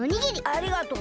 ありがとう。